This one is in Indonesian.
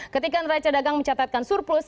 ketika neraca dagang mencatatkan surplus